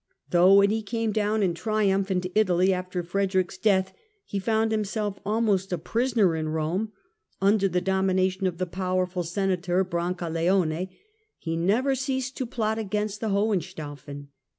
Though, when he came down in triumph into Italy after Frederick's death, he found himself almost a prisoner in Eome, under the domination of the powerful Senator Brancaleone, he never ceased to plot against the Hohenstaufen.